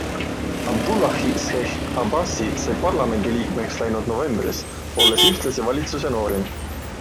Abdullahi Sheikh Abasi sai parlamendi liikmeks läinud novembris, olles ühtlasi valitsuse noorim.